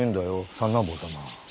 三男坊様。